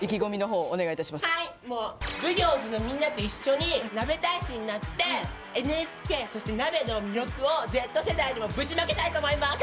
ＢＵＧＹＯＺのみんなと一緒にＮＡＢＥ大使になってＮＨＫそしてＮＡＢＥの魅力をＺ世代にもぶちまけたいと思います！